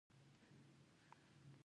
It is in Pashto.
له کاروان سره یوځای شو.